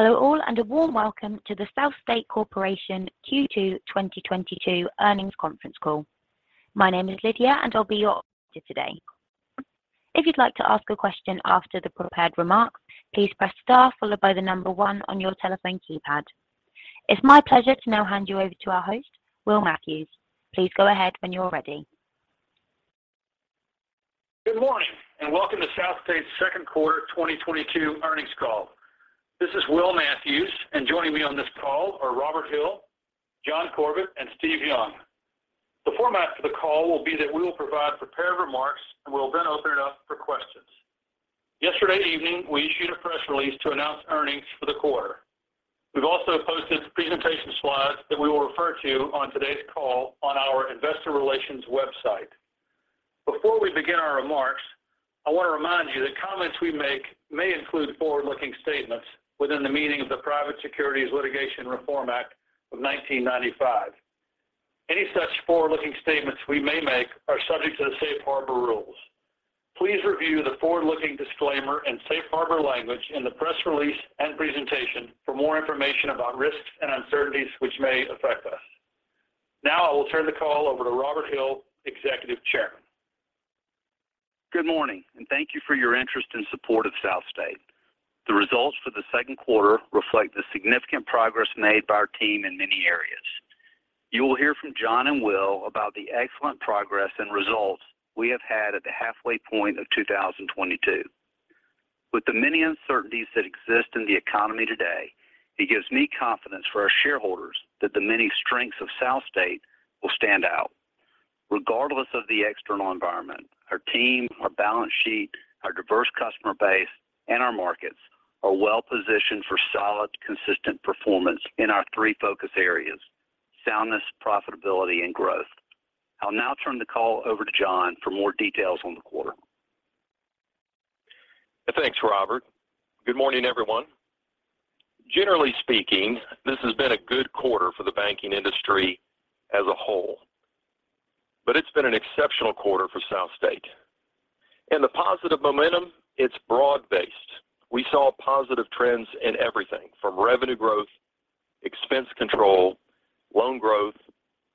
Hello all, and a warm welcome to the SouthState Corporation Q2 2022 earnings conference call. My name is Lydia, and I'll be your operator today. If you'd like to ask a question after the prepared remarks, please press star followed by the number one on your telephone keypad. It's my pleasure to now hand you over to our host, Will Matthews. Please go ahead when you're ready. Good morning, and welcome to SouthState's second quarter 2022 earnings call. This is Will Matthews, and joining me on this call are Robert Hill, John Corbett, and Steve Young. The format for the call will be that we will provide prepared remarks, and we'll then open it up for questions. Yesterday evening, we issued a press release to announce earnings for the quarter. We've also posted presentation slides that we will refer to on today's call on our investor relations website. Before we begin our remarks, I want to remind you that comments we make may include forward-looking statements within the meaning of the Private Securities Litigation Reform Act of 1995. Any such forward-looking statements we may make are subject to the safe harbor rules. Please review the forward-looking disclaimer and safe harbor language in the press release and presentation for more information about risks and uncertainties which may affect us. Now I will turn the call over to Robert Hill, Executive Chairman. Good morning, and thank you for your interest and support of SouthState. The results for the second quarter reflect the significant progress made by our team in many areas. You will hear from John and Will about the excellent progress and results we have had at the halfway point of 2022. With the many uncertainties that exist in the economy today, it gives me confidence for our shareholders that the many strengths of SouthState will stand out. Regardless of the external environment, our team, our balance sheet, our diverse customer base, and our markets are well positioned for solid, consistent performance in our three focus areas, soundness, profitability, and growth. I'll now turn the call over to John for more details on the quarter. Thanks, Robert. Good morning, everyone. Generally speaking, this has been a good quarter for the banking industry as a whole, but it's been an exceptional quarter for SouthState. The positive momentum, it's broad-based. We saw positive trends in everything from revenue growth, expense control, loan growth,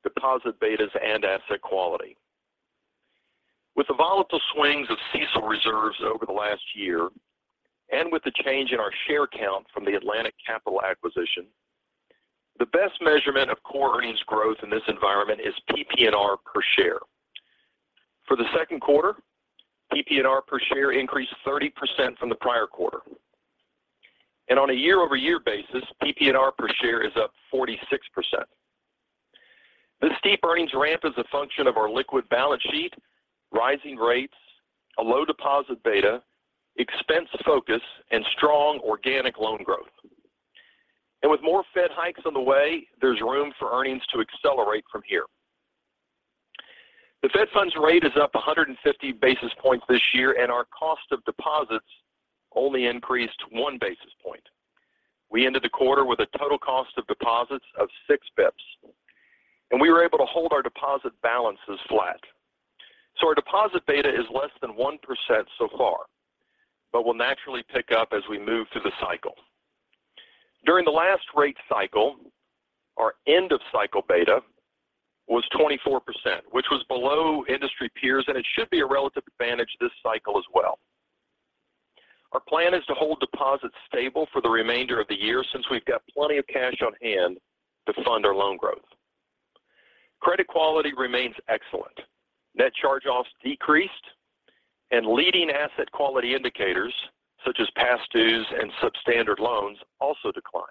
deposit betas, and asset quality. With the volatile swings of CECL reserves over the last year and with the change in our share count from the Atlantic Capital acquisition, the best measurement of core earnings growth in this environment is PPNR per share. For the second quarter, PPNR per share increased 30% from the prior quarter. On a year-over-year basis, PPNR per share is up 46%. This deep earnings ramp is a function of our liquid balance sheet, rising rates, a low deposit beta, expense focus, and strong organic loan growth. With more Fed hikes on the way, there's room for earnings to accelerate from here. The Fed funds rate is up 150 basis points this year, and our cost of deposits only increased 1 basis point. We ended the quarter with a total cost of deposits of 6 basis points, and we were able to hold our deposit balances flat. Our deposit beta is less than 1% so far, but will naturally pick up as we move through the cycle. During the last rate cycle, our end of cycle beta was 24%, which was below industry peers, and it should be a relative advantage this cycle as well. Our plan is to hold deposits stable for the remainder of the year, since we've got plenty of cash on hand to fund our loan growth. Credit quality remains excellent. Net charge-offs decreased, and leading asset quality indicators, such as past dues and substandard loans, also declined.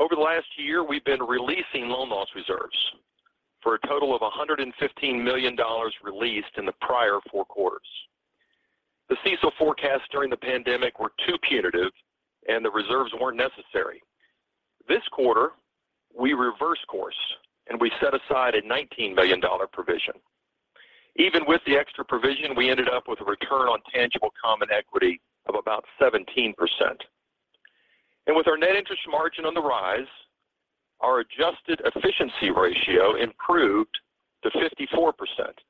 Over the last year, we've been releasing loan loss reserves for a total of $115 million released in the prior four quarters. The CECL forecasts during the pandemic were too punitive and the reserves weren't necessary. This quarter, we reversed course, and we set aside a $19 million provision. Even with the extra provision, we ended up with a return on tangible common equity of about 17%. With our net interest margin on the rise, our adjusted efficiency ratio improved to 54%,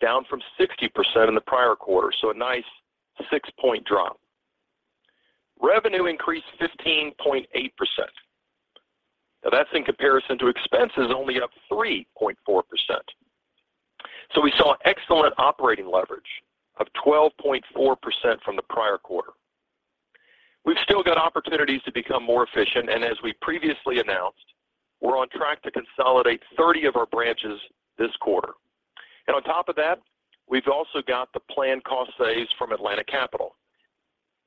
down from 60% in the prior quarter. A nice six-point drop. Revenue increased 15.8%. Now that's in comparison to expenses only up 3.4%. We saw excellent operating leverage of 12.4% from the prior quarter. We've still got opportunities to become more efficient, and as we previously announced, we're on track to consolidate 30 of our branches this quarter. On top of that, we've also got the planned cost saves from Atlantic Capital.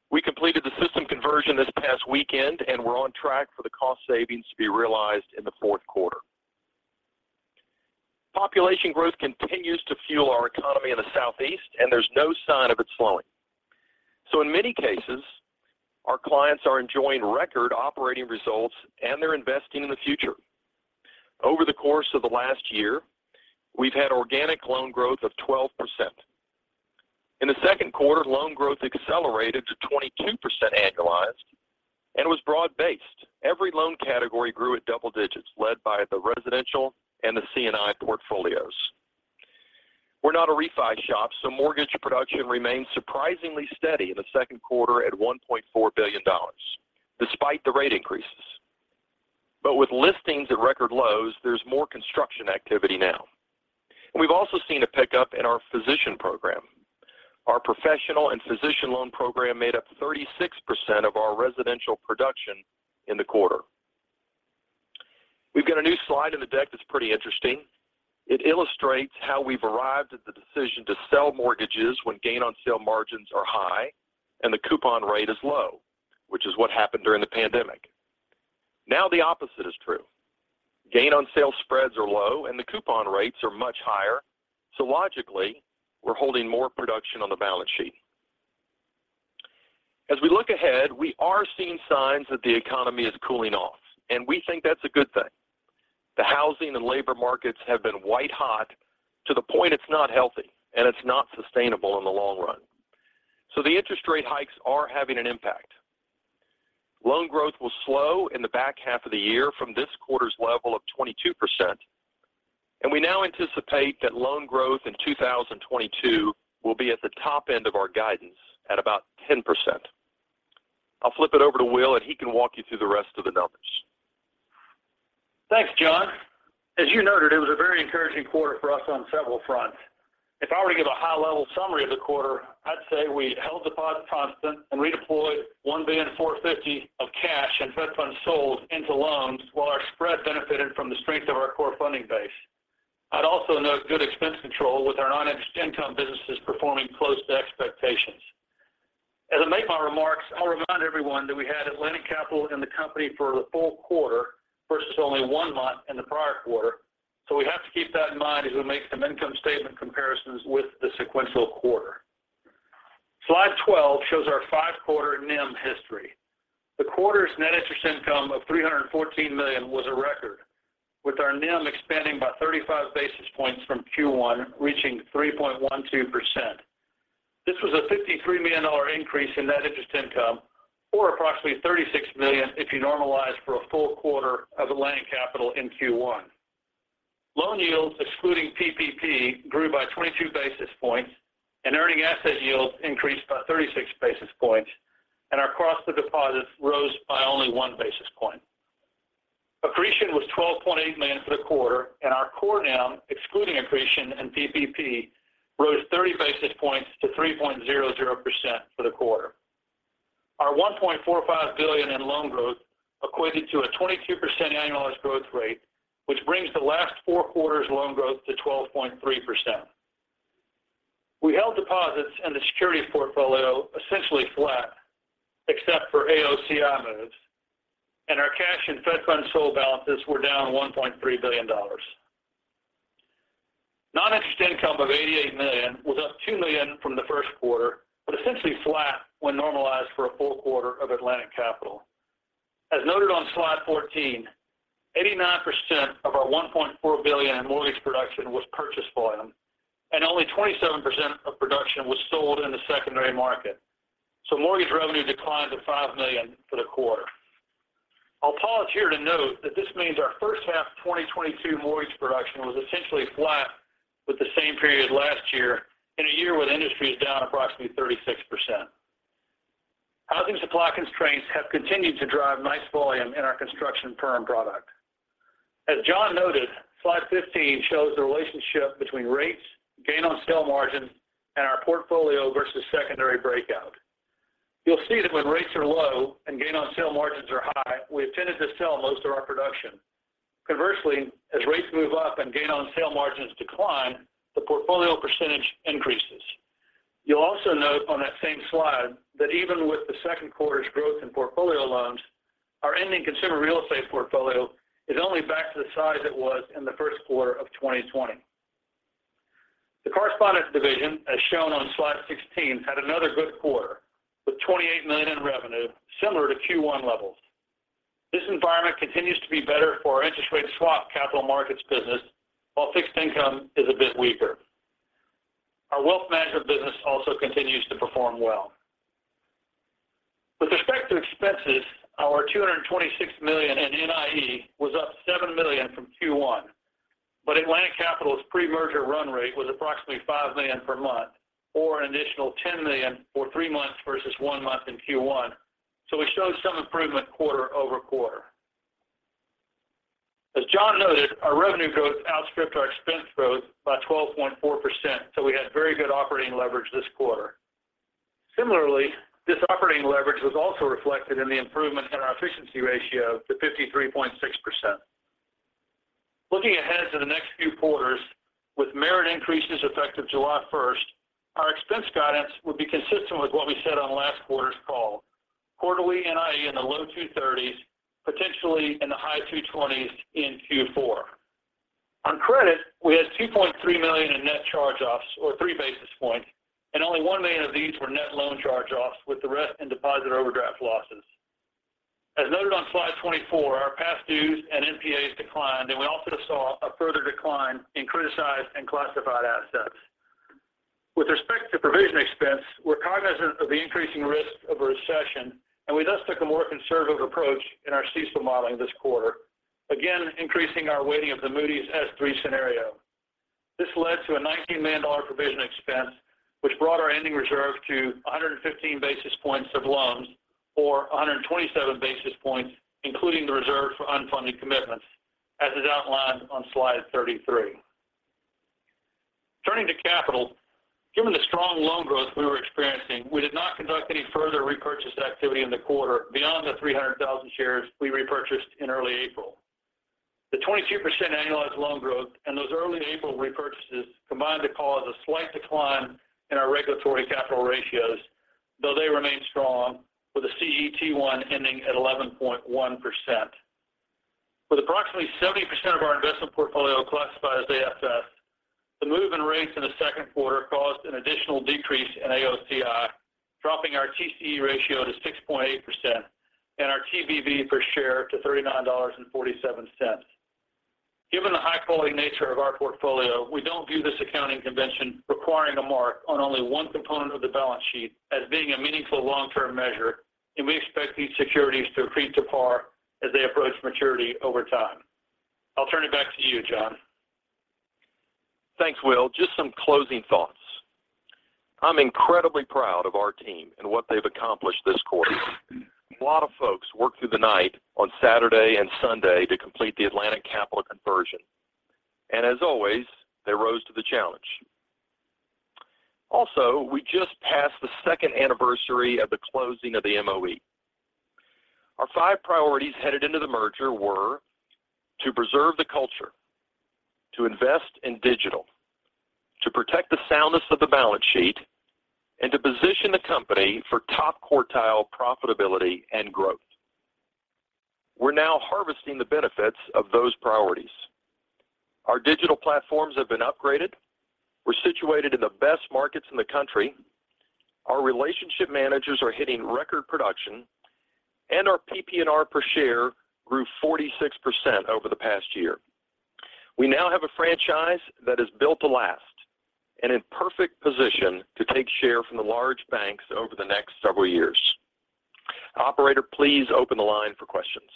We completed the system conversion this past weekend, and we're on track for the cost savings to be realized in the fourth quarter. Population growth continues to fuel our economy in the Southeast, and there's no sign of it slowing. In many cases, our clients are enjoying record operating results, and they're investing in the future. Over the course of the last year, we've had organic loan growth of 12%. In the second quarter, loan growth accelerated to 22% annualized and was broad-based. Every loan category grew at double digits, led by the residential and the C&I portfolios. We're not a refi shop, so mortgage production remained surprisingly steady in the second quarter at $1.4 billion despite the rate increases. With listings at record lows, there's more construction activity now. We've also seen a pickup in our physician program. Our professional and physician loan program made up 36% of our residential production in the quarter. We've got a new slide in the deck that's pretty interesting. It illustrates how we've arrived at the decision to sell mortgages when gain on sale margins are high and the coupon rate is low, which is what happened during the pandemic. Now the opposite is true. Gain on sale spreads are low and the coupon rates are much higher. Logically, we're holding more production on the balance sheet. As we look ahead, we are seeing signs that the economy is cooling off, and we think that's a good thing. The housing and labor markets have been white-hot to the point it's not healthy and it's not sustainable in the long run. The interest rate hikes are having an impact. Loan growth will slow in the back half of the year from this quarter's level of 22%. We now anticipate that loan growth in 2022 will be at the top end of our guidance at about 10%. I'll flip it over to Will, and he can walk you through the rest of the numbers. Thanks, John. As you noted, it was a very encouraging quarter for us on several fronts. If I were to give a high-level summary of the quarter, I'd say we held deposits constant and redeployed $1.45 billion of cash and Fed funds sold into loans while our spread benefited from the strength of our core funding base. I'd also note good expense control with our non-interest income businesses performing close to expectations. As I make my remarks, I'll remind everyone that we had Atlantic Capital in the company for the full quarter versus only one month in the prior quarter. We have to keep that in mind as we make some income statement comparisons with the sequential quarter. Slide 12 shows our five-quarter NIM history. The quarter's net interest income of $314 million was a record, with our NIM expanding by 35 basis points from Q1, reaching 3.12%. This was a $53 million increase in net interest income, or approximately $36 million if you normalize for a full quarter of Atlantic Capital in Q1. Loan yields, excluding PPP, grew by 22 basis points, and earning asset yields increased by 36 basis points, and our cost of deposits rose by only 1 basis point. Accretion was $12.8 million for the quarter, and our core NIM, excluding accretion and PPP, rose 30 basis points to 3.00% for the quarter. Our $1.45 billion in loan growth equated to a 22% annualized growth rate, which brings the last four quarters' loan growth to 12.3%. We held the securities portfolio essentially flat, except for AOCI moves, and our cash and Fed funds sold balances were down $1.3 billion. Non-interest income of $88 million was up $2 million from the first quarter, but essentially flat when normalized for a full quarter of Atlantic Capital. As noted on slide 14, 89% of our $1.4 billion in mortgage production was purchase volume, and only 27% of production was sold in the secondary market. Mortgage revenue declined to $5 million for the quarter. I'll pause here to note that this means our first half 2022 mortgage production was essentially flat with the same period last year in a year where the industry is down approximately 36%. Housing supply constraints have continued to drive nice volume in our construction perm product. As John noted, slide 15 shows the relationship between rates, gain on sale margin, and our portfolio versus secondary market. You'll see that when rates are low and gain on sale margins are high, we've tended to sell most of our production. Conversely, as rates move up and gain on sale margins decline, the portfolio percentage increases. You'll also note on that same slide that even with the second quarter's growth in portfolio loans, our ending consumer real estate portfolio is only back to the size it was in the first quarter of 2020. The Correspondent Division, as shown on slide 16, had another good quarter with $28 million in revenue, similar to Q1 levels. This environment continues to be better for our interest rate swap capital markets business, while fixed income is a bit weaker. Our wealth management business also continues to perform well. With respect to expenses, our $226 million in NIE was up $7 million from Q1. Atlantic Capital's pre-merger run rate was approximately $5 million per month or an additional $10 million for three months versus one month in Q1, so we showed some improvement quarter-over-quarter. As John noted, our revenue growth outstripped our expense growth by 12.4%, so we had very good operating leverage this quarter. Similarly, this operating leverage was also reflected in the improvement in our efficiency ratio to 53.6%. Looking ahead to the next few quarters, with merit increases effective July 1st, our expense guidance would be consistent with what we said on last quarter's call. Quarterly NIE in the low 230s, potentially in the high 220s in Q4. On credit, we had $2.3 million in net charge-offs or 3 basis points, and only $1 million of these were net loan charge-offs, with the rest in deposit overdraft losses. As noted on slide 24, our past dues and NPAs declined, and we also saw a further decline in criticized and classified assets. With respect to provision expense, we're cognizant of the increasing risk of a recession, and we thus took a more conservative approach in our CECL modeling this quarter. Again, increasing our weighting of the Moody's S3 scenario. This led to a $19 million provision expense, which brought our ending reserve to 115 basis points of loans or 127 basis points, including the reserve for unfunded commitments, as is outlined on slide 33. Turning to capital. Given the strong loan growth we were experiencing, we did not conduct any further repurchase activity in the quarter beyond the 300,000 shares we repurchased in early April. The 22% annualized loan growth and those early April repurchases combined to cause a slight decline in our regulatory capital ratios, though they remain strong with a CET1 ending at 11.1%. With approximately 70% of our investment portfolio classified as AFS, the move in rates in the second quarter caused an additional decrease in AOCI, dropping our TCE ratio to 6.8% and our TBV per share to $39.47. Given the high-quality nature of our portfolio, we don't view this accounting convention requiring a mark on only one component of the balance sheet as being a meaningful long-term measure, and we expect these securities to accrete to par as they approach maturity over time. I'll turn it back to you, John. Thanks, Will. Just some closing thoughts. I'm incredibly proud of our team and what they've accomplished this quarter. A lot of folks worked through the night on Saturday and Sunday to complete the Atlantic Capital conversion. As always, they rose to the challenge. Also, we just passed the second anniversary of the closing of the MOE. Our five priorities headed into the merger were to preserve the culture, to invest in digital, to protect the soundness of the balance sheet, and to position the company for top-quartile profitability and growth. We're now harvesting the benefits of those priorities. Our digital platforms have been upgraded. We're situated in the best markets in the country. Our relationship managers are hitting record production, and our PPNR per share grew 46% over the past year. We now have a franchise that is built to last and in perfect position to take share from the large banks over the next several years. Operator, please open the line for questions.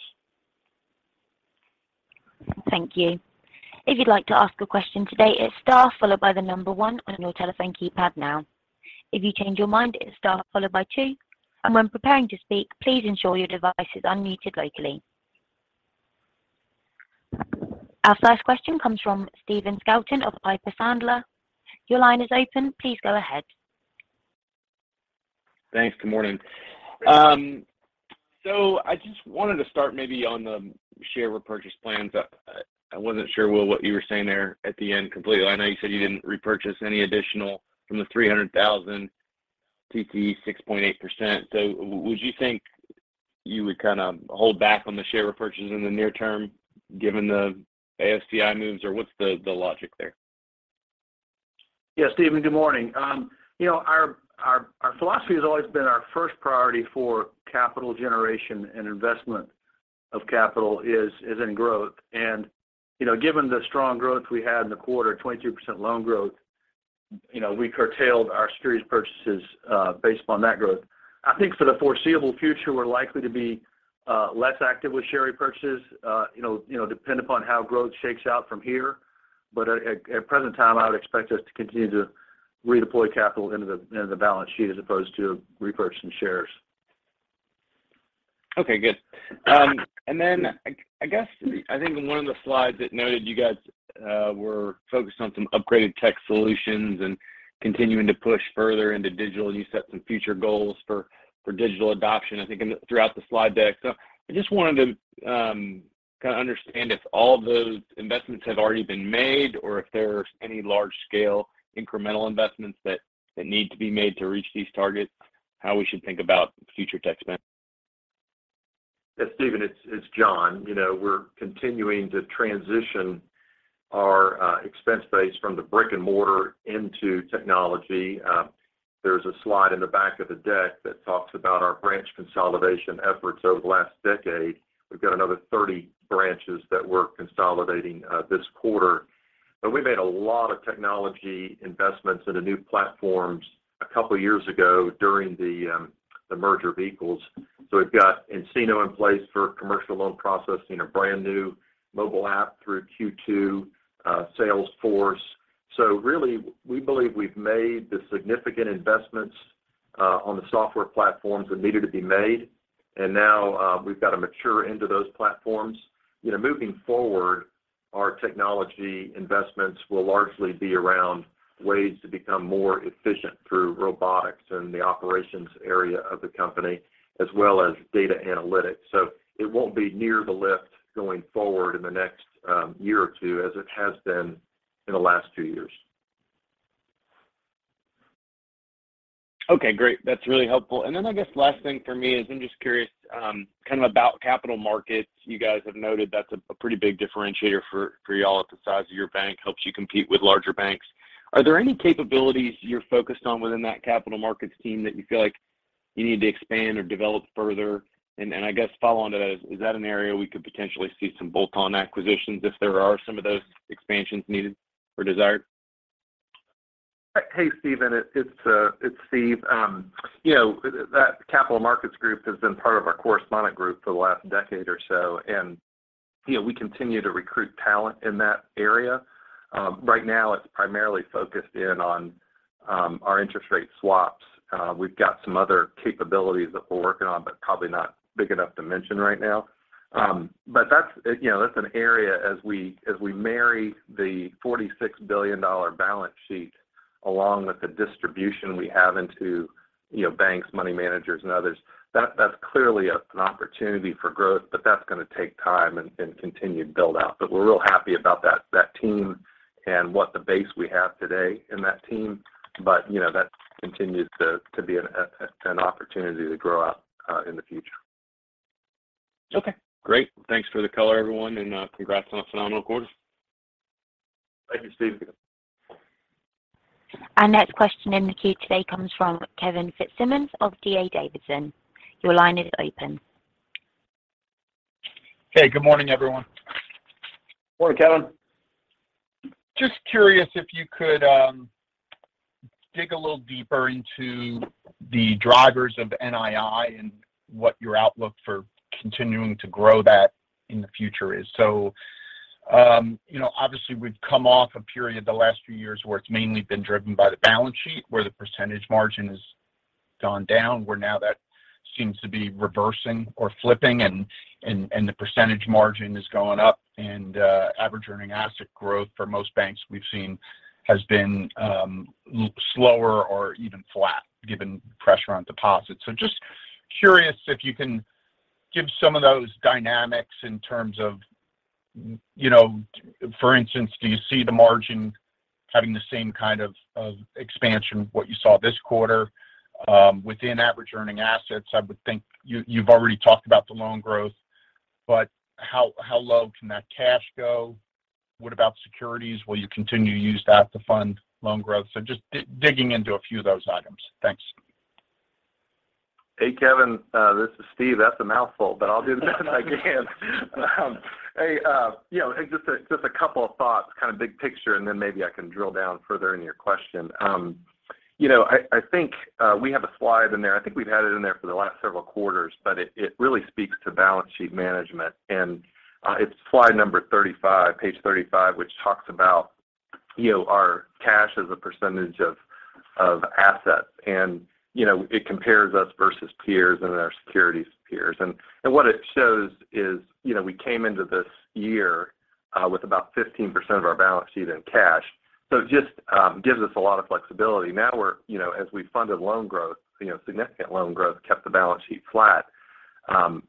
Thank you. If you'd like to ask a question today, it's star followed by the number one on your telephone keypad now. If you change your mind, it's star followed by two. When preparing to speak, please ensure your device is unmuted locally. Our first question comes from Stephen Scouten of Piper Sandler. Your line is open. Please go ahead. Thanks. Good morning. I just wanted to start maybe on the share repurchase plans. I wasn't sure, Will, what you were saying there at the end completely. I know you said you didn't repurchase any additional from the 300,000 TCE 6.8%. Would you think you would kind of hold back on the share repurchase in the near term given the AOCI moves? What's the logic there? Yes, Stephen, good morning. You know, our philosophy has always been our first priority for capital generation and investment of capital is in growth. You know, given the strong growth we had in the quarter, 22% loan growth, you know, we curtailed our securities purchases based upon that growth. I think for the foreseeable future, we're likely to be less active with share repurchases, you know, depend upon how growth shakes out from here. At present time, I would expect us to continue to redeploy capital into the balance sheet as opposed to repurchasing shares. Okay, good. I guess I think in one of the slides it noted you guys were focused on some upgraded tech solutions and continuing to push further into digital. You set some future goals for digital adoption, I think throughout the slide deck. I just wanted to kind of understand if all of those investments have already been made or if there's any large scale incremental investments that need to be made to reach these targets, how we should think about future tech spend. Yes, Stephen, it's John. You know, we're continuing to transition our expense base from the brick and mortar into technology. There's a slide in the back of the deck that talks about our branch consolidation efforts over the last decade. We've got another 30 branches that we're consolidating this quarter. We made a lot of technology investments into new platforms a couple years ago during the merger of equals. We've got nCino in place for commercial loan processing, a brand new mobile app through Q2, Salesforce. Really, we believe we've made the significant investments on the software platforms that needed to be made, and now we've got to mature into those platforms. You know, moving forward, our technology investments will largely be around ways to become more efficient through robotics and the operations area of the company, as well as data analytics. It won't be near the lift going forward in the next, year or two as it has been in the last two years. Okay, great. That's really helpful. Then I guess last thing for me is I'm just curious, kind of about capital markets. You guys have noted that's a pretty big differentiator for y'all at the size of your bank, helps you compete with larger banks. Are there any capabilities you're focused on within that capital markets team that you feel like you need to expand or develop further. I guess following to that, is that an area we could potentially see some bolt-on acquisitions if there are some of those expansions needed or desired? Hey, Stephen, it's Steve. You know, that capital markets group has been part of our correspondent group for the last decade or so, and you know, we continue to recruit talent in that area. Right now it's primarily focused on our interest rate swaps. We've got some other capabilities that we're working on, but probably not big enough to mention right now. That's you know, that's an area as we marry the $46 billion balance sheet along with the distribution we have into, you know, banks, money managers and others, that's clearly an opportunity for growth, but that's gonna take time and continued build-out. We're real happy about that team and what the base we have today in that team. You know, that continues to be an opportunity to grow out in the future. Okay, great. Thanks for the color, everyone, and congrats on a phenomenal quarter. Thank you, Stephen. Our next question in the queue today comes from Kevin Fitzsimmons of D.A. Davidson. Your line is open. Hey, good morning, everyone. Morning, Kevin. Just curious if you could dig a little deeper into the drivers of NII and what your outlook for continuing to grow that in the future is. You know, obviously we've come off a period the last few years where it's mainly been driven by the balance sheet, where the percentage margin has gone down, where now that seems to be reversing or flipping and the percentage margin is going up and average earning asset growth for most banks we've seen has been slower or even flat given pressure on deposits. Just curious if you can give some of those dynamics in terms of you know, for instance, do you see the margin having the same kind of expansion what you saw this quarter within average earning assets? I would think you've already talked about the loan growth, but how low can that cash go? What about securities? Will you continue to use that to fund loan growth? Just digging into a few of those items. Thanks. Hey, Kevin, this is Steve. That's a mouthful, but I'll do the best I can. Hey, you know, just a couple of thoughts, kind of big picture, and then maybe I can drill down further into your question. You know, I think we have a slide in there. I think we've had it in there for the last several quarters, but it really speaks to balance sheet management, and it's slide number 35, page 35, which talks about, you know, our cash as a percentage of assets. You know, it compares us versus peers and our securities peers. What it shows is, you know, we came into this year with about 15% of our balance sheet in cash. So it just gives us a lot of flexibility. Now we're, you know, as we've funded loan growth, you know, significant loan growth, kept the balance sheet flat,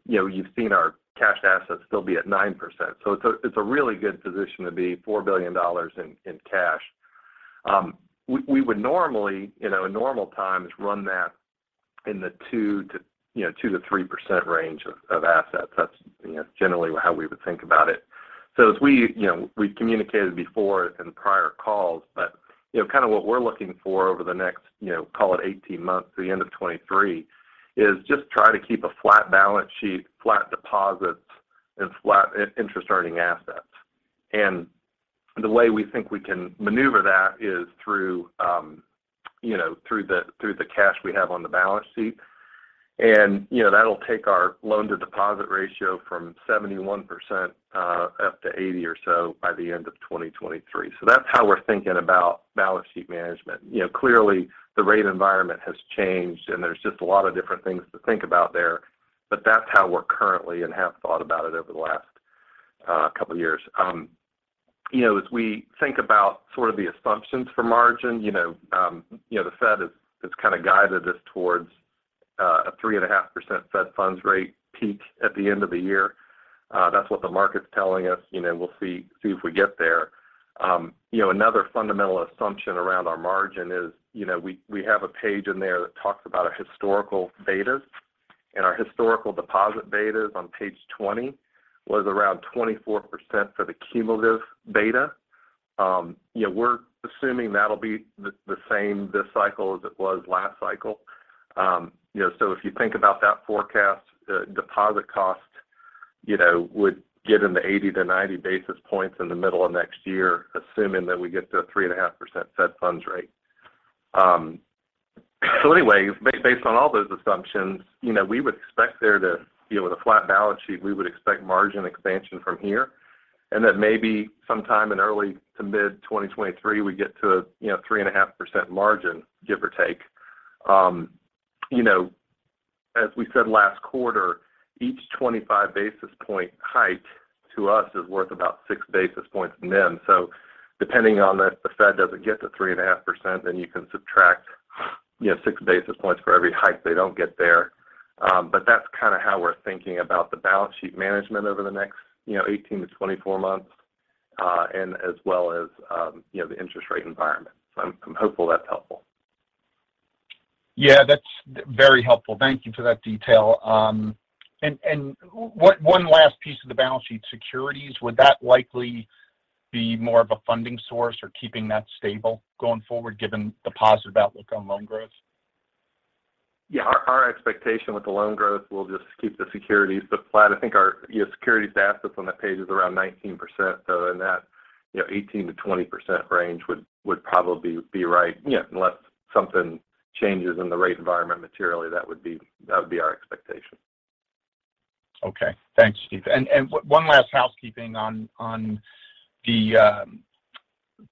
you know, you've seen our cash assets still be at 9%. So it's a really good position to be $4 billion in cash. We would normally, you know, in normal times run that in the 2%-3% range of assets. That's, you know, generally how we would think about it. So as we, you know, we've communicated before in prior calls, but, you know, kind of what we're looking for over the next, you know, call it 18 months through the end of 2023, is just try to keep a flat balance sheet, flat deposits and flat interest earning assets. The way we think we can maneuver that is through the cash we have on the balance sheet. You know, that'll take our loan-to-deposit ratio from 71% up to 80% or so by the end of 2023. That's how we're thinking about balance sheet management. You know, clearly the rate environment has changed, and there's just a lot of different things to think about there, but that's how we're currently and have thought about it over the last couple years. You know, as we think about sort of the assumptions for margin, you know, the Fed has kind of guided us towards a 3.5% Fed funds rate peak at the end of the year. That's what the market's telling us. You know, we'll see if we get there. You know, another fundamental assumption around our margin is, you know, we have a page in there that talks about our historical betas, and our historical deposit betas on page 20 was around 24% for the cumulative beta. You know, we're assuming that'll be the same this cycle as it was last cycle. You know, if you think about that forecast, deposit cost would get in the 80-90 basis points in the middle of next year, assuming that we get to a 3.5% Fed funds rate. Based on all those assumptions, you know, we would expect there to, you know, with a flat balance sheet, we would expect margin expansion from here, and that maybe sometime in early to mid-2023, we get to, you know, 3.5% margin, give or take. You know, as we said last quarter, each 25 basis point hike to us is worth about 6 basis points NIM. Depending on if the Fed doesn't get to 3.5%, then you can subtract, you know, 6 basis points for every hike they don't get there. But that's kind of how we're thinking about the balance sheet management over the next, you know, 18-24 months, and as well as, you know, the interest rate environment. I'm hopeful that's helpful. Yeah, that's very helpful. Thank you for that detail. One last piece of the balance sheet. Securities, would that likely be more of a funding source or keeping that stable going forward, given the positive outlook on loan growth? Yeah. Our expectation with the loan growth will just keep the securities the flat. I think our you know securities assets on that page is around 19%. So in that you know 18%-20% range would probably be right. You know unless something changes in the rate environment materially that would be our expectation. Okay. Thanks, Steve. One last housekeeping on the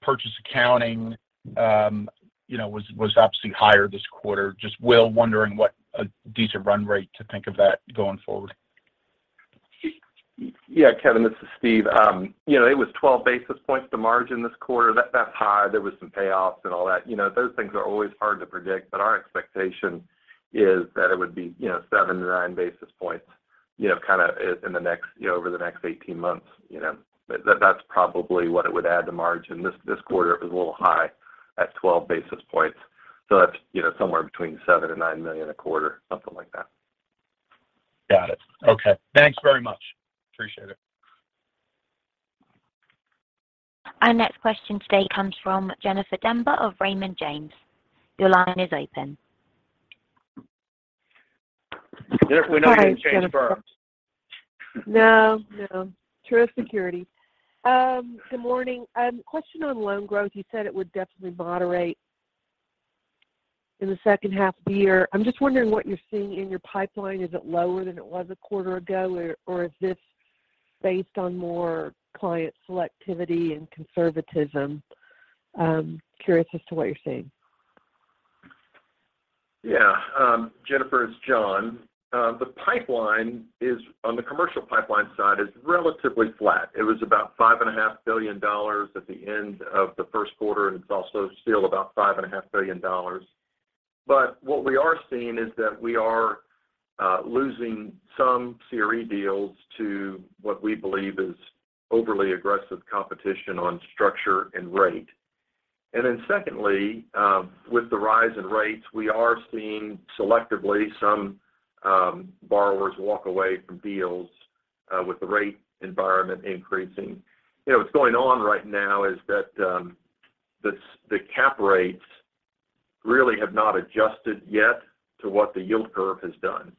purchase accounting, you know, was obviously higher this quarter. Just, Will, wondering what a decent run rate to think of that going forward. Yeah, Kevin, this is Steve. You know, it was 12 basis points to margin this quarter. That's high. There was some payoffs and all that. You know, those things are always hard to predict, but our expectation is that it would be, you know, 7-9 basis points, you know, kinda in the next, you know, over the next 18 months, you know. That's probably what it would add to margin. This quarter, it was a little high at 12 basis points. So that's, you know, somewhere between $7 million and $9 million a quarter, something like that. Got it. Okay. Thanks very much. Appreciate it. Our next question today comes from Jennifer Demba of Raymond James. Your line is open. We're not getting changed firms. No, no. Truist Securities. Good morning. Question on loan growth, you said it would definitely moderate in the second half of the year. I'm just wondering what you're seeing in your pipeline. Is it lower than it was a quarter ago? Or is this based on more client selectivity and conservatism? Curious as to what you're seeing. Yeah. Jennifer, it's John. The pipeline on the commercial pipeline side is relatively flat. It was about $5.5 billion at the end of the first quarter, and it's also still about $5.5 billion. What we are seeing is that we are losing some CRE deals to what we believe is overly aggressive competition on structure and rate. Secondly, with the rise in rates, we are seeing selectively some borrowers walk away from deals with the rate environment increasing. You know, what's going on right now is that the cap rates really have not adjusted yet to what the yield curve has done.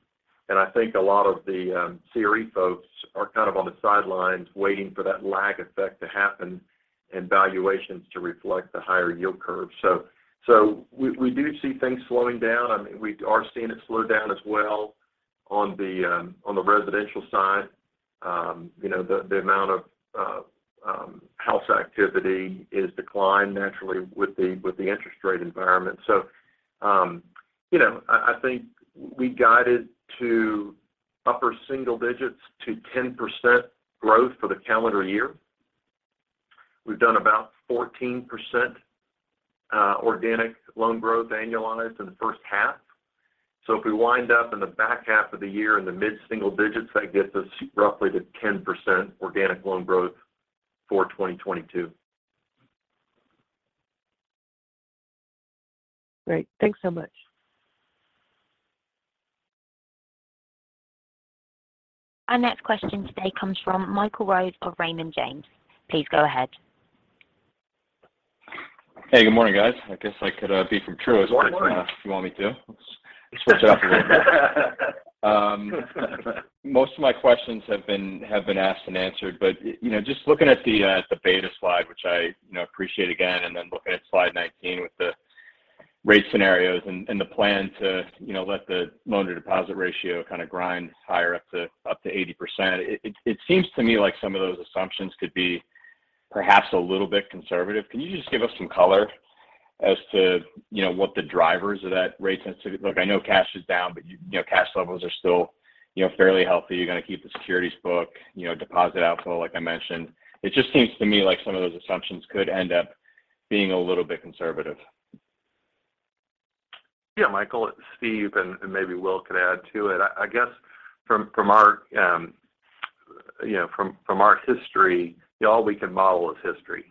I think a lot of the CRE folks are kind of on the sidelines waiting for that lag effect to happen and valuations to reflect the higher yield curve. We do see things slowing down. I mean, we are seeing it slow down as well on the residential side. You know, the amount of housing activity is declined naturally with the interest rate environment. You know, I think we guided to upper single digits to 10% growth for the calendar year. We've done about 14% organic loan growth annualized in the first half. If we wind up in the back half of the year in the mid single digits, that gets us roughly to 10% organic loan growth for 2022. Great. Thanks so much. Our next question today comes from Michael Rose of Raymond James. Please go ahead. Hey, good morning, guys. I guess I could be from Truist. Good morning.... if you want me to. Switch it up a little bit. Most of my questions have been asked and answered. You know, just looking at the beta slide, which I, you know, appreciate again, and then looking at slide 19 with the rate scenarios and the plan to, you know, let the loan-to-deposit ratio kind of grind higher up to 80%, it seems to me like some of those assumptions could be perhaps a little bit conservative. Can you just give us some color as to, you know, what the drivers of that rate sensitivity. Look, I know cash is down, but you know, cash levels are still, you know, fairly healthy. You're gonna keep the securities book, you know, deposit outflow, like I mentioned. It just seems to me like some of those assumptions could end up being a little bit conservative. Yeah, Michael. It's Steve, and maybe Will could add to it. I guess from our history, all we can model is history.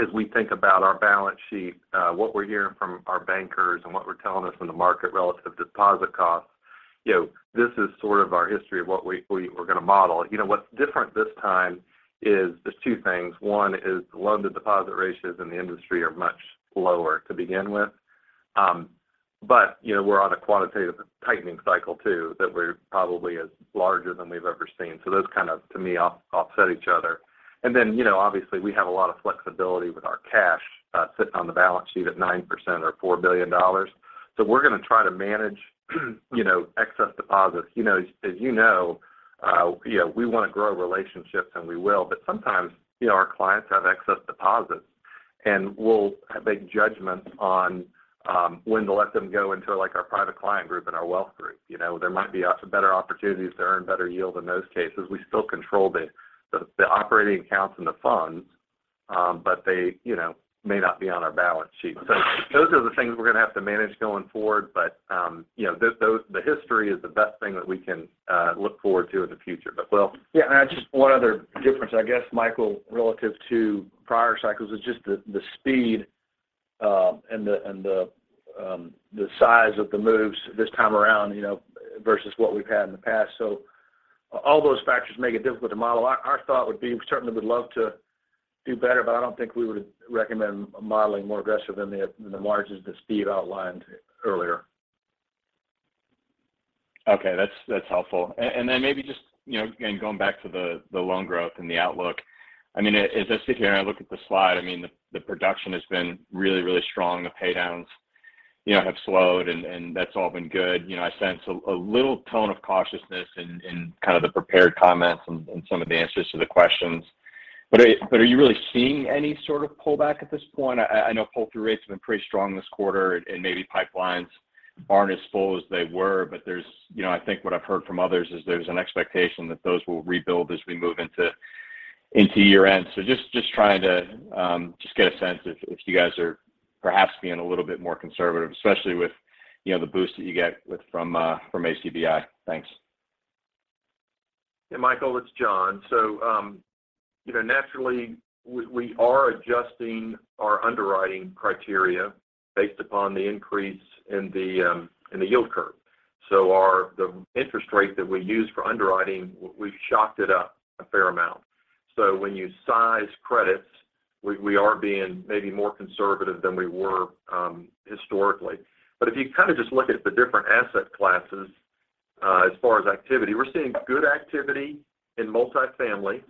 As we think about our balance sheet, what we're hearing from our bankers and what they're telling us from the market relative to deposit costs, you know, this is sort of our history of what we're gonna model. You know, what's different this time is there's two things. One is the loan-to-deposit ratios in the industry are much lower to begin with. But, you know, we're on a quantitative tightening cycle too, that's probably larger than we've ever seen. Those kind of, to me, offset each other. You know, obviously, we have a lot of flexibility with our cash sitting on the balance sheet at 9% or $4 billion. We're gonna try to manage excess deposits. You know, as you know, we wanna grow relationships, and we will. But sometimes, you know, our clients have excess deposits, and we'll make judgments on when to let them go into, like, our private client group and our wealth group. You know, there might be better opportunities to earn better yield in those cases. We still control the operating accounts and the funds, but they, you know, may not be on our balance sheet. Those are the things we're gonna have to manage going forward. You know, those, the history is the best thing that we can look forward to in the future. Will? Yeah, just one other difference, I guess, Michael, relative to prior cycles is just the speed. The size of the moves this time around, you know, versus what we've had in the past. All those factors make it difficult to model. Our thought would be we certainly would love to do better, but I don't think we would recommend modeling more aggressive than the margins that Steve outlined earlier. Okay. That's helpful. Maybe just, you know, again, going back to the loan growth and the outlook. I mean, as I sit here and I look at the slide, I mean, the production has been really strong. The paydowns, you know, have slowed and that's all been good. You know, I sense a little tone of cautiousness in kind of the prepared comments and some of the answers to the questions. Are you really seeing any sort of pullback at this point? I know pull-through rates have been pretty strong this quarter and maybe pipelines aren't as full as they were. You know, I think what I've heard from others is there's an expectation that those will rebuild as we move into year-end. Just trying to get a sense if you guys are perhaps being a little bit more conservative, especially with, you know, the boost that you get from ACBI. Thanks. Yeah, Michael, it's John. You know, naturally we are adjusting our underwriting criteria based upon the increase in the yield curve. The interest rate that we use for underwriting, we've shocked it up a fair amount. When you size credits, we are being maybe more conservative than we were historically. If you kind of just look at the different asset classes, as far as activity, we're seeing good activity in multifamily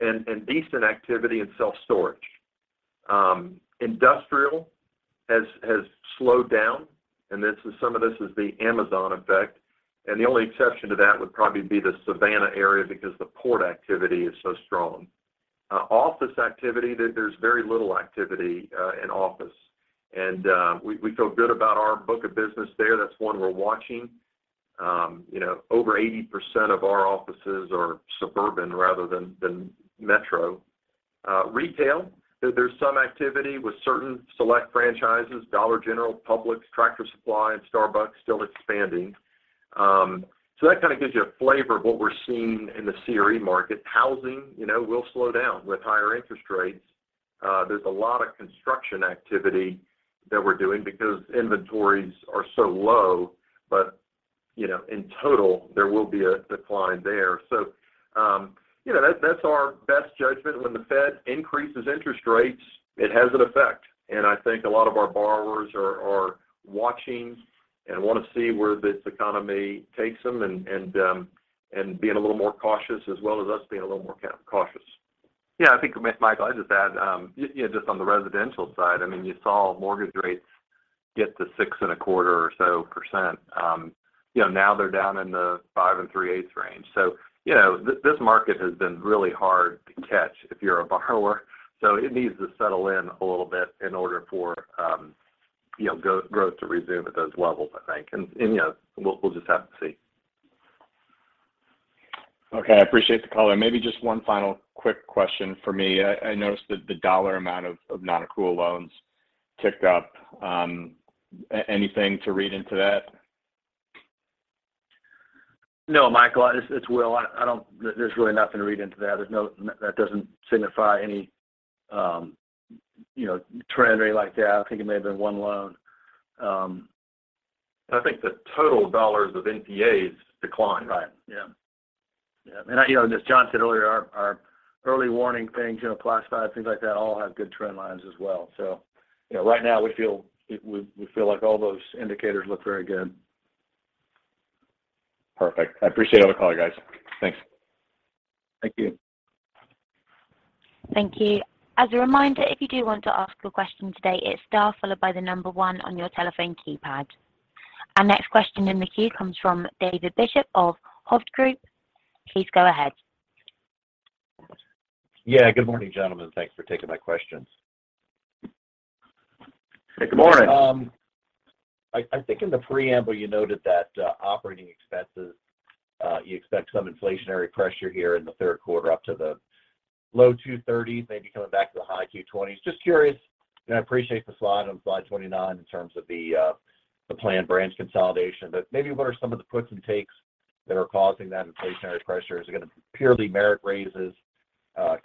and decent activity in self-storage. Industrial has slowed down, and some of this is the Amazon effect, and the only exception to that would probably be the Savannah area because the port activity is so strong. Office activity, there's very little activity in office. We feel good about our book of business there. That's one we're watching. You know, over 80% of our offices are suburban rather than metro. Retail, there's some activity with certain select franchises, Dollar General, Publix, Tractor Supply, and Starbucks still expanding. That kind of gives you a flavor of what we're seeing in the CRE market. Housing, you know, will slow down with higher interest rates. There's a lot of construction activity that we're doing because inventories are so low. You know, in total there will be a decline there. That's our best judgment. When the Fed increases interest rates, it has an effect. I think a lot of our borrowers are watching and wanna see where this economy takes them and being a little more cautious as well as us being a little more cautious. Yeah. I think, Michael, I'd just add, you know, just on the residential side, I mean, you saw mortgage rates get to 6.25% or so. You know, now they're down in the 5.38% range. This market has been really hard to catch if you're a borrower. It needs to settle in a little bit in order for, you know, growth to resume at those levels, I think. You know, we'll just have to see. Okay. I appreciate the color. Maybe just one final quick question from me. I noticed that the dollar amount of non-accrual loans ticked up. Anything to read into that? No, Michael. It's Will. There's really nothing to read into that. That doesn't signify any, you know, trend or anything like that. I think it may have been one loan. I think the total dollars of NPAs declined. Right. Yeah. You know, and as John said earlier, our early warning things, you know, Plus Five, things like that, all have good trend lines as well. You know, right now we feel like all those indicators look very good. Perfect. I appreciate all the color, guys. Thanks. Thank you. Thank you. As a reminder, if you do want to ask a question today, it's star followed by the number one on your telephone keypad. Our next question in the queue comes from David Bishop of Hovde Group. Please go ahead. Yeah, good morning, gentlemen. Thanks for taking my questions. Good morning. I think in the preamble you noted that operating expenses you expect some inflationary pressure here in the third quarter up to the low 230s, maybe coming back to the high 220s. Just curious, and I appreciate the slide on slide 29 in terms of the planned branch consolidation. Maybe what are some of the puts and takes that are causing that inflationary pressure? Is it gonna purely merit raises,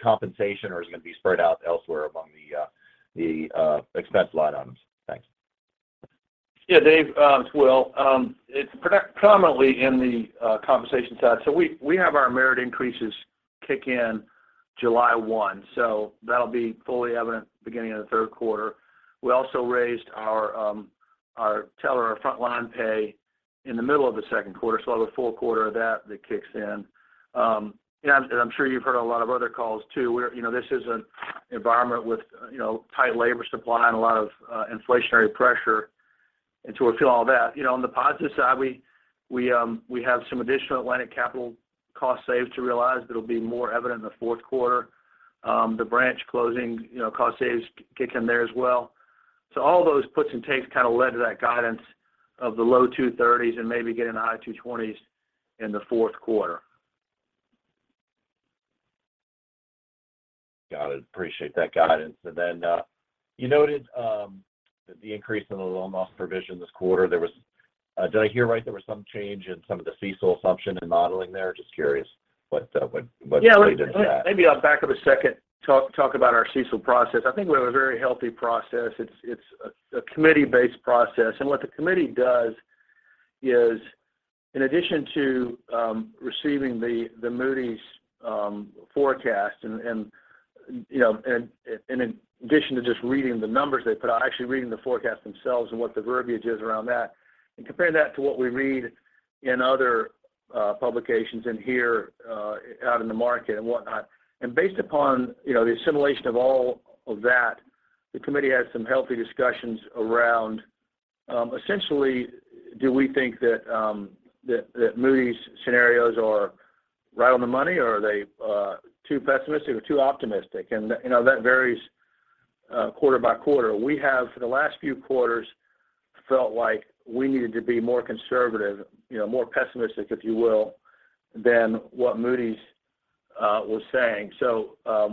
compensation, or is it gonna be spread out elsewhere among the expense line items? Thanks. Yeah, Dave, it's Will. It's predominantly in the compensation side. We have our merit increases kick in July 1, so that'll be fully evident beginning of the third quarter. We also raised our teller, our frontline pay in the middle of the second quarter, so we'll have a full quarter of that that kicks in. I'm sure you've heard a lot of other calls too, where, you know, this is an environment with, you know, tight labor supply and a lot of inflationary pressure. We feel all that. You know, on the positive side, we have some additional Atlantic Capital cost savings to realize that'll be more evident in the fourth quarter. The branch closing, you know, cost savings kick in there as well. All those puts and takes kind of led to that guidance of the low 230s and maybe getting to high 220s in the fourth quarter. Got it. Appreciate that guidance. You noted the increase in the loan loss provision this quarter. Did I hear right there was some change in some of the CECL assumption and modeling there? Just curious what changes that? Yeah. Let me maybe I'll back up a second, talk about our CECL process. I think we have a very healthy process. It's a committee-based process, and what the committee does is in addition to receiving the Moody's forecast and you know and in addition to just reading the numbers they put out, actually reading the forecast themselves and what the verbiage is around that, and comparing that to what we read in other publications and hear out in the market and whatnot. Based upon you know the assimilation of all of that, the committee has some healthy discussions around essentially do we think that Moody's scenarios are right on the money, or are they too pessimistic or too optimistic? You know, that varies quarter by quarter. We have for the last few quarters felt like we needed to be more conservative, you know, more pessimistic, if you will, than what Moody's was saying.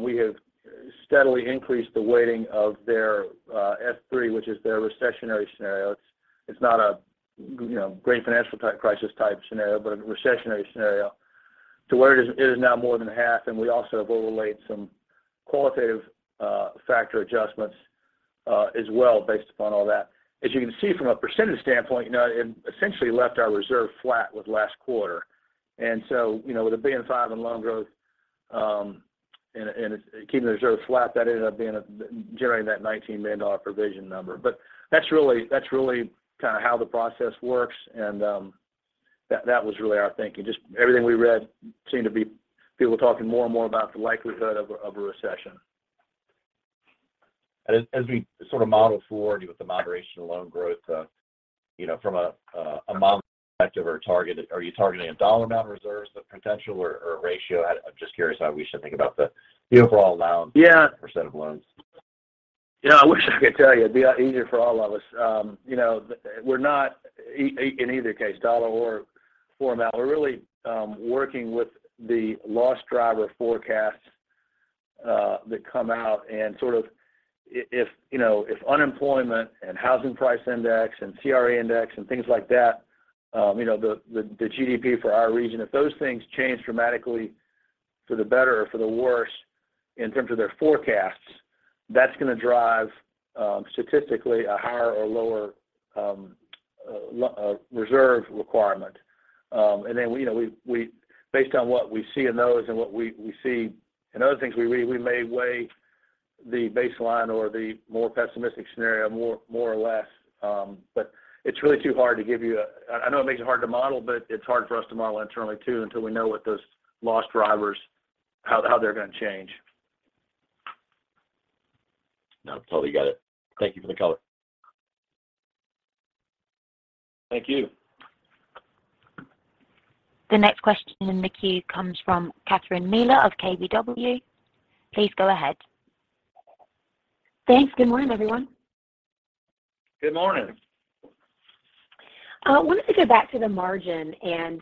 We have steadily increased the weighting of their S3, which is their recessionary scenario. It's not a great financial crisis type scenario, but a recessionary scenario to where it is now more than half. We also have overlaid some qualitative factor adjustments as well based upon all that. As you can see from a percentage standpoint, you know, it essentially left our reserve flat with last quarter. With $1.5 billion in loan growth and keeping the reserve flat, that ended up generating that $19 million provision number. That's really kind of how the process works, and that was really our thinking. Just everything we read seemed to be people talking more and more about the likelihood of a recession. As we sort of model forward with the moderating loan growth, you know, from a model perspective or target, are you targeting a dollar amount reserves, the potential or ratio? I'm just curious how we should think about the Yeah overall allowance. Yeah % of loans. You know, I wish I could tell you. It'd be a lot easier for all of us. We're really working with the loss driver forecasts that come out and sort of if, you know, if unemployment and House Price Index and CRA index and things like that, you know, the GDP for our region, if those things change dramatically for the better or for the worse in terms of their forecasts, that's gonna drive statistically a higher or lower reserve requirement. You know, we, based on what we see in those and what we see in other things, we may weigh the baseline or the more pessimistic scenario more or less. I know it makes it hard to model, but it's hard for us to model internally too until we know what those loss drivers, how they're gonna change. No, totally got it. Thank you for the color. Thank you. The next question in the queue comes from Catherine Mealor of KBW. Please go ahead. Thanks. Good morning, everyone. Good morning. I wanted to go back to the margin and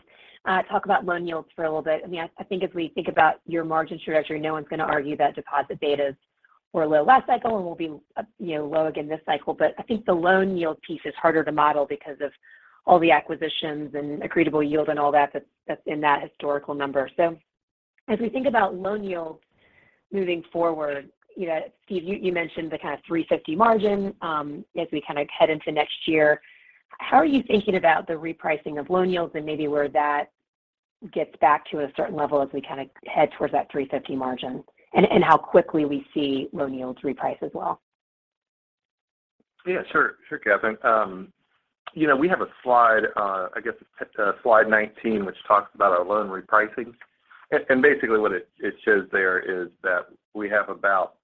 talk about loan yields for a little bit. I mean, I think if we think about your margin trajectory, no one's gonna argue that deposit betas were low last cycle and will be, you know, low again this cycle. But I think the loan yield piece is harder to model because of all the acquisitions and accretable yields and all that that's in that historical number. So as we think about loan yields moving forward, you know, Steve, you mentioned the kind of 3.50% margin as we kind of head into next year. How are you thinking about the repricing of loan yields and maybe where that gets back to a certain level as we kind of head towards that 3.50% margin and how quickly we see loan yields reprice as well? Yeah, sure. Sure, Catherine. You know, we have a slide, I guess it's slide 19, which talks about our loan repricing. Basically what it shows there is that we have about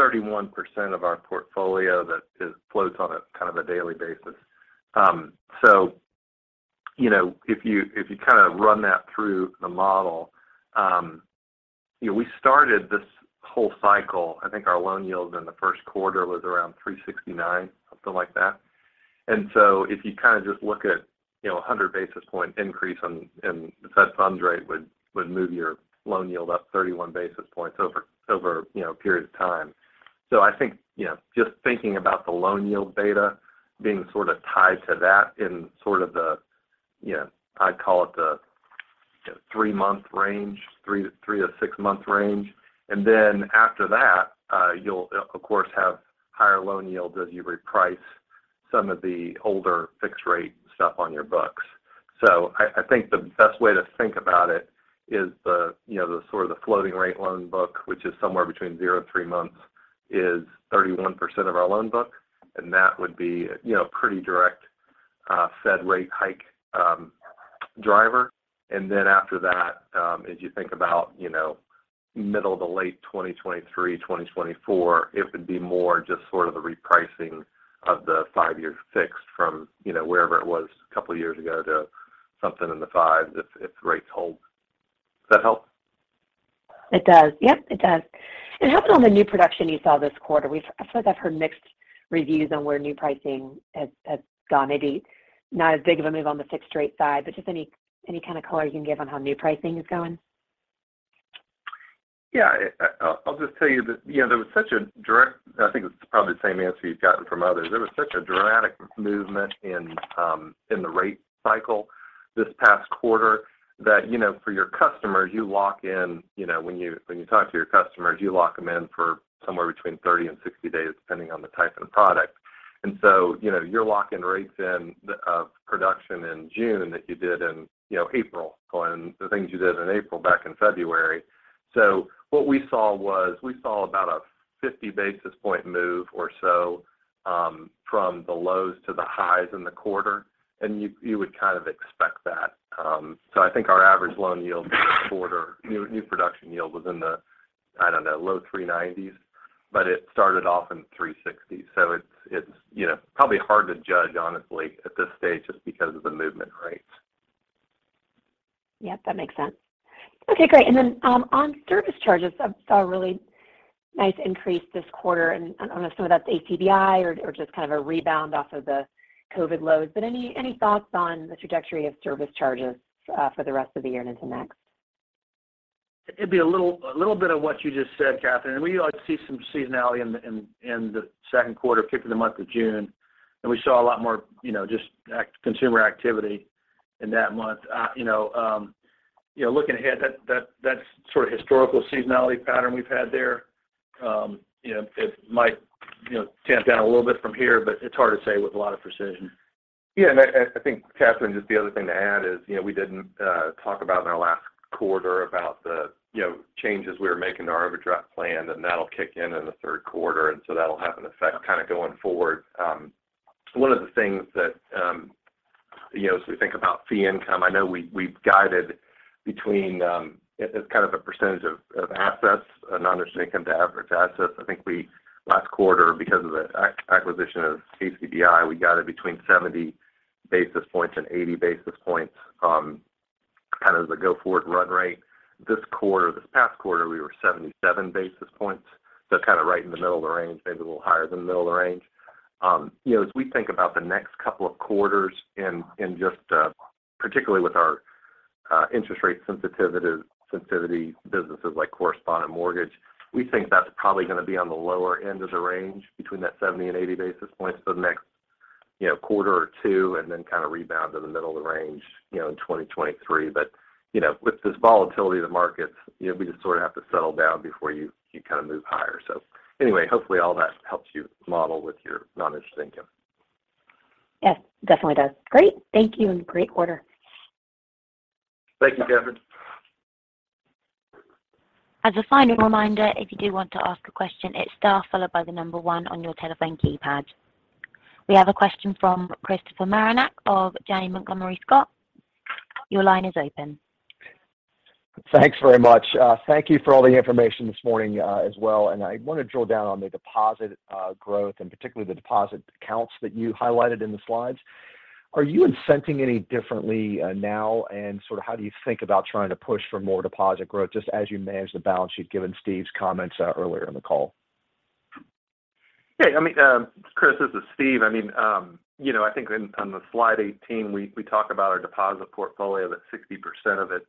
31% of our portfolio that floats on a kind of a daily basis. So, you know, if you kind of run that through the model, you know, we started this whole cycle, I think our loan yield in the first quarter was around 3.69%, something like that. If you kind of just look at, you know, a 100 basis point increase in the Fed funds rate would move your loan yield up 31 basis points over, you know, a period of time. I think, you know, just thinking about the loan yield beta being sort of tied to that in sort of the, you know, I'd call it the three-month range, three to six-month range. After that, you'll of course have higher loan yields as you reprice some of the older fixed rate stuff on your books. I think the best way to think about it is the, you know, the sort of the floating rate loan book, which is somewhere between 0 to three months, is 31% of our loan book, and that would be, you know, a pretty direct, Fed rate hike, driver. After that, as you think about, you know, middle to late 2023, 2024, it would be more just sort of the repricing of the five-year fixed from, you know, wherever it was a couple of years ago to something in the fives if rates hold. Does that help? It does. Yep, it does. It helps on the new production you saw this quarter. I feel like I've heard mixed reviews on where new pricing has gone. Maybe not as big of a move on the fixed rate side, but just any kind of color you can give on how new pricing is going? Yeah. I'll just tell you that, you know, there was such a. I think it's probably the same answer you've gotten from others. There was such a dramatic movement in the rate cycle this past quarter that, you know, for your customers, you lock in. You know, when you talk to your customers, you lock them in for somewhere between 30 and 60 days, depending on the type of product. you know, you're locking rates in, production in June that you did in April, and the things you did in April back in February. What we saw was about a 50 basis point move or so, from the lows to the highs in the quarter, and you would kind of expect that. I think our average loan yield for the quarter, new production yield was in the, I don't know, low 3.90%, but it started off in 3.60%. It's, you know, probably hard to judge honestly at this stage just because of the movement rates. Yeah, that makes sense. Okay, great. On service charges, I saw a really nice increase this quarter. I don't know some of that's ACBI or just kind of a rebound off of the COVID lows. Any thoughts on the trajectory of service charges for the rest of the year and into next? It'd be a little bit of what you just said, Catherine. We like to see some seasonality in the second quarter, particularly the month of June. We saw a lot more, you know, just consumer activity in that month. You know, looking ahead, that's sort of historical seasonality pattern we've had there. You know, it might tamp down a little bit from here, but it's hard to say with a lot of precision. Yeah. I think, Catherine, just the other thing to add is, you know, we didn't talk about in our last quarter about the, you know, changes we were making to our overdraft plan, and that'll kick in in the third quarter, and so that'll have an effect kind of going forward. One of the things that, you know, as we think about fee income, I know we've guided between as kind of a percentage of assets, non-interest income to average assets. I think we last quarter, because of the acquisition of ACBI, we guided between 70 basis points and 80 basis points kind of the go forward run rate. This quarter, this past quarter, we were 77 basis points. Kind of right in the middle of the range, maybe a little higher than the middle of the range. You know, as we think about the next couple of quarters and just particularly with our interest rate sensitivity businesses like correspondent mortgage, we think that's probably gonna be on the lower end of the range between that 70 and 80 basis points for the next, you know, quarter or two and then kind of rebound to the middle of the range, you know, in 2023. You know, with this volatility of the markets, you know, we just sort of have to settle down before you kind of move higher. Anyway, hopefully, all that helps you model with your non-interest income. Yes, definitely does. Great. Thank you and great quarter. Thank you, Catherine. As a final reminder, if you do want to ask a question, it's star followed by the number one on your telephone keypad. We have a question from Christopher Marinac of Janney Montgomery Scott. Your line is open. Thanks very much. Thank you for all the information this morning, as well. I want to drill down on the deposit growth and particularly the deposit accounts that you highlighted in the slides. Are you incenting any differently now? Sort of how do you think about trying to push for more deposit growth just as you manage the balance sheet, given Steve's comments earlier in the call? Hey, I mean, Chris, this is Steve. I mean, you know, I think on the slide 18, we talk about our deposit portfolio, that 60% of it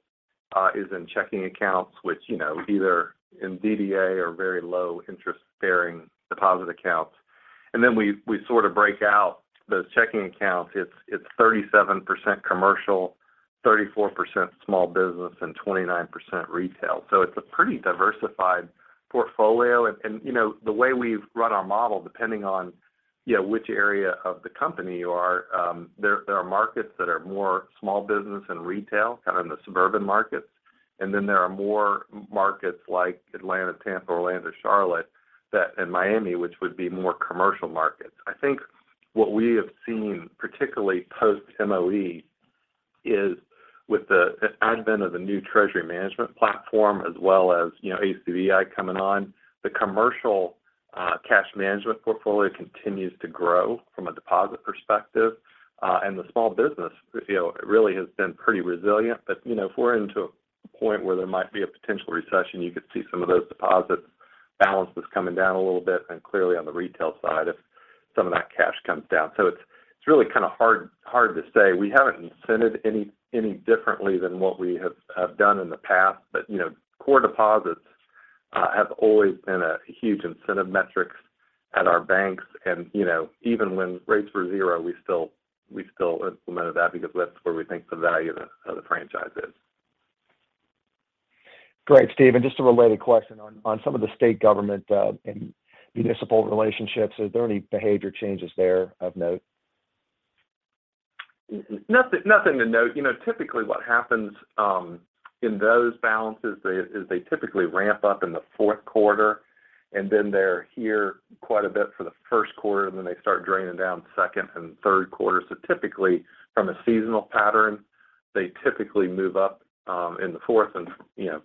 is in checking accounts, which you know either in DDA or very low interest-bearing deposit accounts. We sort of break out those checking accounts. It's 37% commercial, 34% small business, and 29% retail. It's a pretty diversified portfolio. You know, the way we've run our model, depending on which area of the company you are, there are markets that are more small business and retail, kind of in the suburban markets. Then there are more markets like Atlanta, Tampa, Orlando, Charlotte, and Miami, which would be more commercial markets. I think what we have seen, particularly post MOE, is with the advent of the new treasury management platform as well as, you know, ACBI coming on, the commercial cash management portfolio continues to grow from a deposit perspective. The small business, you know, really has been pretty resilient. You know, if we're into a point where there might be a potential recession, you could see some of those deposit balances coming down a little bit and clearly on the retail side if some of that cash comes down. It's really kind of hard to say. We haven't incented any differently than what we have done in the past. You know, core deposits have always been a huge incentive metrics at our banks. You know, even when rates were zero, we still implemented that because that's where we think the value of the franchise is. Great, Steve. Just a related question. On some of the state government and municipal relationships, is there any behavior changes there of note? Nothing to note. You know, typically what happens in those balances is they typically ramp up in the fourth quarter, and then they're here quite a bit for the first quarter, and then they start draining down second and third quarter. Typically, from a seasonal pattern, they typically move up in the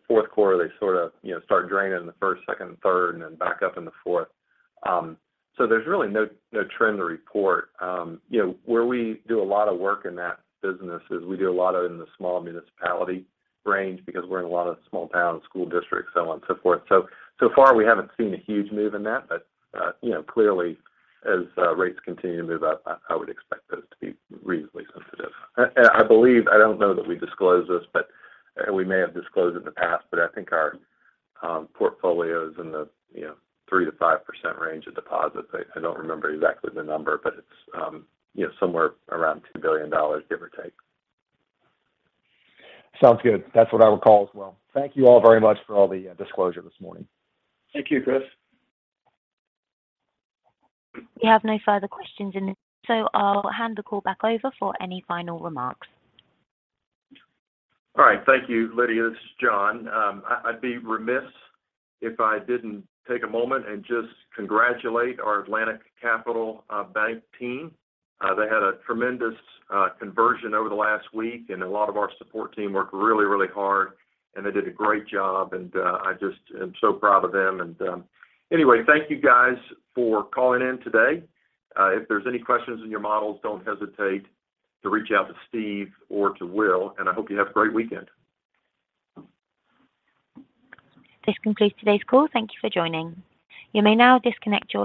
fourth quarter, they sort of, you know, start draining in the first, second, and third, and then back up in the fourth. There's really no trend to report. You know, where we do a lot of work in that business is in the small municipality range because we're in a lot of small towns, school districts, so on and so forth. So far, we haven't seen a huge move in that. You know, clearly, as rates continue to move up, I would expect those to be reasonably sensitive. I believe, I don't know that we disclosed this, but we may have disclosed it in the past, but I think our portfolio is in the you know, 3%-5% range of deposits. I don't remember exactly the number, but it's you know, somewhere around $2 billion, give or take. Sounds good. That's what I would call as well. Thank you all very much for all the disclosure this morning. Thank you, Chris. We have no further questions in this, so I'll hand the call back over for any final remarks. All right. Thank you, Lydia. This is John. I'd be remiss if I didn't take a moment and just congratulate our Atlantic Capital Bank team. They had a tremendous conversion over the last week, and a lot of our support team worked really hard, and they did a great job, and I just am so proud of them. Anyway, thank you guys for calling in today. If there's any questions in your models, don't hesitate to reach out to Steve or to Will, and I hope you have a great weekend. This concludes today's call. Thank you for joining. You may now disconnect your lines.